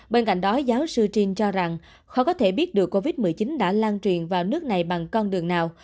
bên cạnh đó giáo sư trin cho rằng khó có thể biết được covid một mươi chín đã lan truyền vào nước này bằng con đường nào